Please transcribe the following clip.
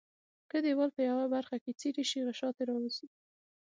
که دیوال په یوه برخه کې څیري شي غشا ترې راوځي.